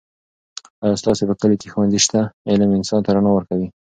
آیا ستاسو په کلي کې ښوونځی شته؟ علم انسان ته رڼا ورکوي.